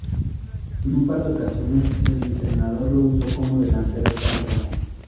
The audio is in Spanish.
En un par de ocasiones el entrenador lo usó como delantero centro.